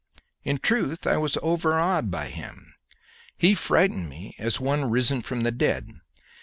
In truth, I was overawed by him; he frightened me as one risen from the dead.